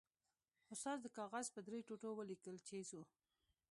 استاد د کاغذ په درې ټوټو ولیکل چې ځو.